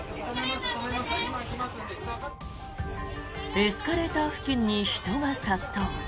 エスカレーター付近に人が殺到。